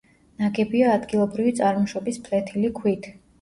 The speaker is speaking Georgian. ნაგებია ადგილობრივი წარმოშობის ფლეთილი ქვით.